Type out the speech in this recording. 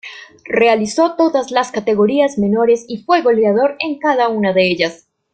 Realizó todas las categorías menores y fue goleador en cada una de ellas.